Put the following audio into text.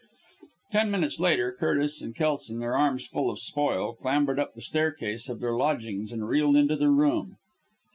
Ten minutes later, Curtis and Kelson, their arms full of spoil, clambered up the staircase of their lodgings, and reeled into their room.